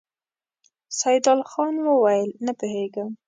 سيدال خان وويل: نه پوهېږم!